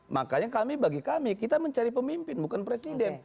makanya kami bagi kami kita mencari pemimpin bukan presiden